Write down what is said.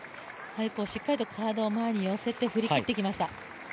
しっかりと体を前に寄せて振り切ってきました。